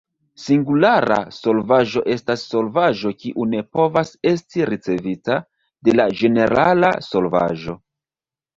Singulara solvaĵo estas solvaĵo kiu ne povas esti ricevita de la ĝenerala solvaĵo.